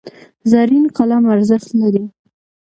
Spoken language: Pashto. زرین قلم ارزښت لري.